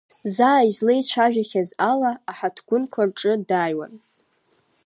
Заа излеицәажәахьаз ала, аҳаҭгәынқәа рҿы дааиуан.